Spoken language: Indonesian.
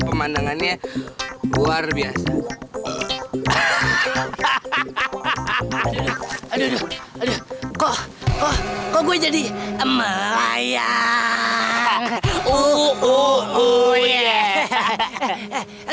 pemandangannya luar biasa aduh aduh aduh kok kok kok gue jadi emel ya uh uh uh iya hahaha